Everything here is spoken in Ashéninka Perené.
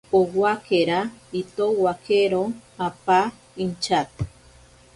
Owakera itowakero apa inchato.